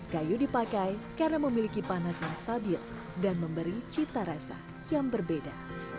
kayu dipakai karena memiliki panas yang stabil dan memberi cita rasa yang berbeda